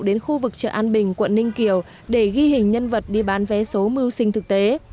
đến khu vực chợ an bình quận ninh kiều để ghi hình nhân vật đi bán vé số mưu sinh thực tế